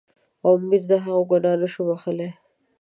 او امیر د هغه ګناه نه شو بخښلای.